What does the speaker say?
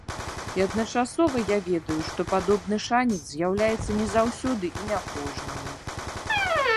І адначасова я ведаю, што падобны шанец з'яўляецца не заўсёды і не кожнаму.